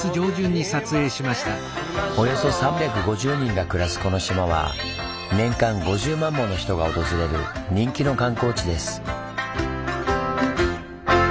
およそ３５０人が暮らすこの島は年間５０万もの人が訪れる人気の観光地です。